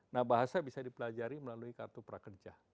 nah bahasa bisa dipelajari melalui kartu prakerja